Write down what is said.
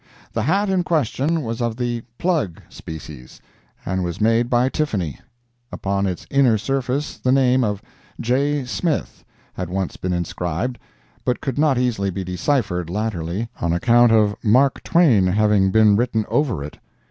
The hat in question was of the "plug" species, and was made by Tiffany; upon its inner surface the name of "J. Smith" had once been inscribed, but could not easily be deciphered, latterly, on account of "Mark Twain" having been written over it.